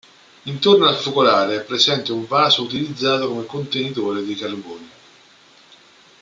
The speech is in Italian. Intorno al focolare è presente un vaso utilizzato come contenitore dei carboni.